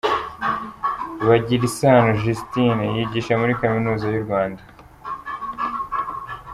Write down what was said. Bagirisano Justine: Yigisha muri Kaminuza y’u Rwanda.